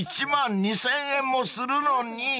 １万２，０００円もするのに］